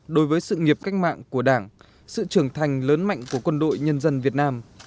đối với sự nghiệp cách mạng của đảng sự trưởng thành lớn mạnh của quân đội nhân dân việt nam